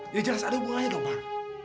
ya jelas ada hubungannya dong mar